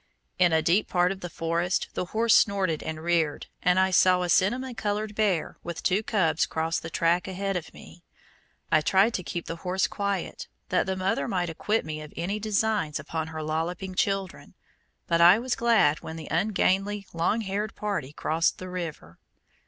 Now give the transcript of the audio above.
In a deep part of the forest the horse snorted and reared, and I saw a cinnamon colored bear with two cubs cross the track ahead of me. I tried to keep the horse quiet that the mother might acquit me of any designs upon her lolloping children, but I was glad when the ungainly, long haired party crossed the river.